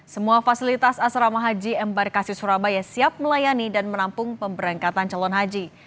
semua fasilitas asrama haji embarkasi surabaya siap melayani dan menampung pemberangkatan calon haji